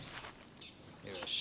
よし。